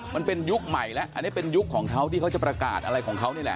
มันเป็นยุคใหม่แล้วอันนี้เป็นยุคของเขาที่เขาจะประกาศอะไรของเขานี่แหละ